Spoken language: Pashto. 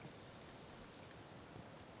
لکه د الله تعالٰی پر شتون او يووالي باور .